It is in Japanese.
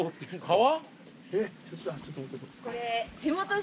川？